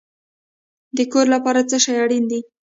د کور لپاره څه شی اړین دی؟